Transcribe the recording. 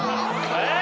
えっ！？